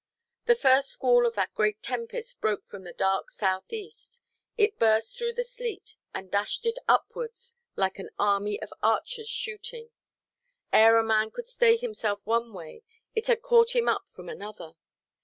The first squall of that great tempest broke from the dark south–east. It burst through the sleet, and dashed it upwards like an army of archers shooting; ere a man could stay himself one way, it had caught him up from another.